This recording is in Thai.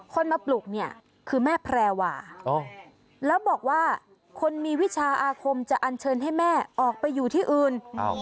คนมาปลุกเนี่ยคือแม่แพรวาแล้วบอกว่าคนมีวิชาอาคมจะอันเชิญให้แม่ออกไปอยู่ที่อื่น